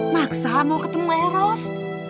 maksa mau ketemu eros